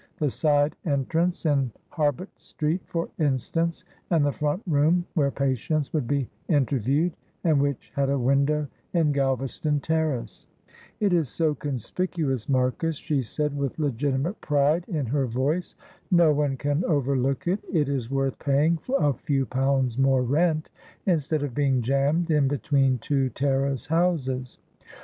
The side entrance in Harbut Street, for instance, and the front room where patients would be interviewed, and which had a window in Galvaston Terrace. "It is so conspicuous, Marcus," she said, with legitimate pride in her voice. "No one can overlook it, it is worth paying a few pounds more rent, instead of being jammed in between two terrace houses.